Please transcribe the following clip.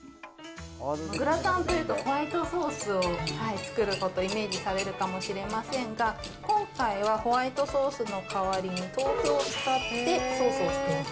グラタンというとホワイトソースを作ることをイメージされるかもしれませんが、今回はホワイトソースの代わりに豆腐を使ってソースを作ります。